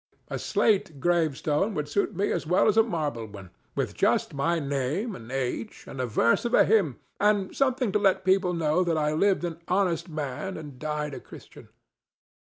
A slate gravestone would suit me as well as a marble one, with just my name and age, and a verse of a hymn, and something to let people know that I lived an honest man and died a Christian."